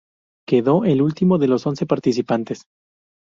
Quedó el último de los once participantes.